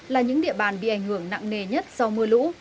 là những địa bàn bị ảnh hưởng nặng nề nhất sau mưa lũ